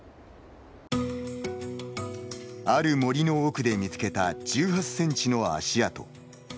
ある森の奥で見つけた１８センチの足跡。